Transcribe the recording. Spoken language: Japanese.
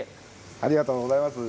ありがとうございます。